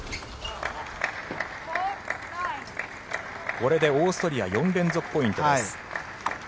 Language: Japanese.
これでオーストリア４連続ポイントです。